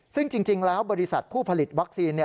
ซึ่งจริงแล้วบริษัทผู้ผลิตวัคซีน